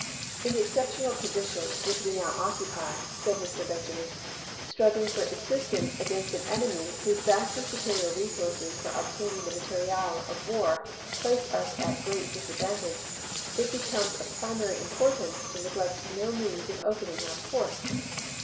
"In the exceptional position which we now occupy," said Mr. Benjamin, " struggling for existence against an enemy whose vastly superior resources for ob taining the materiel of war place us at great dis advantage, it becomes of primary importance to neglect no means of opening our ports."